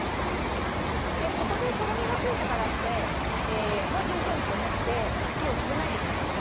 ここで、とろみがついたからってもう十分と思って火を止めないでくださいね。